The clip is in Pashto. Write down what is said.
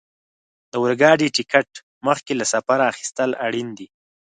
د اورګاډي ټکټ مخکې له سفره اخیستل اړین دي.